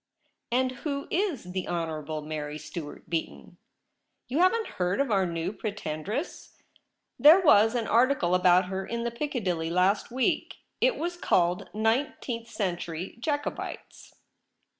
'And who is the Honourable Mary Stuart Beaton ?'' You haven't heard of our new Preten dress ? There was an article about her in T/ie Piccadilly last week. It was called *• Nineteenth Century Jacobites."